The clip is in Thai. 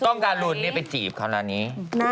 กล้องกาลุนไปจีบเขาแล้วนี้